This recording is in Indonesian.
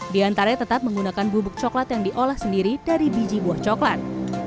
di antaranya tetap menggunakan bubuk coklat yang diolah sendiri dari biji buah coklat